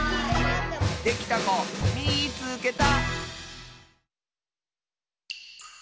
できたこみいつけた！